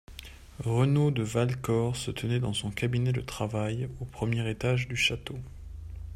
RENAUD de Valcor se tenait dans son cabinet de travail, au premier étage du château.